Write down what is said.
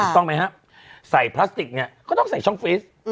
ต้องไหมครับใส่พลาสติกก็ต้องใส่ช่องฟีส